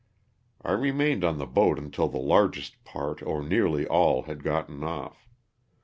I remained on the boat until the largest part or nearly all had gotten off.